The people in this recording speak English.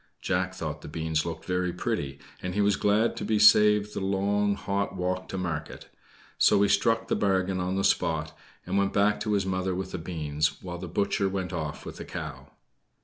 Jack thought the beans looked very pretty, and he was glad to be saved the long hot walk to market; so he struck the bargain on the spot and went back to his mother with the beans, while the butcher went off with the cow.